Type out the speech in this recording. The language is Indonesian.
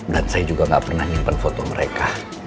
dan saya juga nggak pernah menyimpan foto mereka